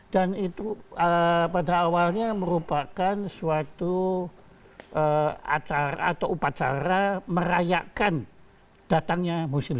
dan itu pada awalnya merupakan suatu acara atau upacara merayakan datangnya musim ini